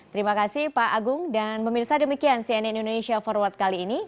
terima kasih pak agung dan pemirsa demikian cnn indonesia forward kali ini